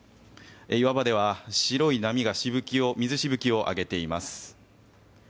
岩場では白い波が水しぶきを上げています。